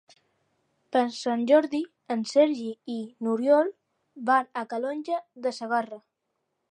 Per Sant Jordi en Sergi i n'Oriol van a Calonge de Segarra.